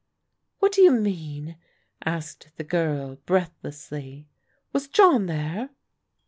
What do you mean?" asked the girl breathlessly. Was John there?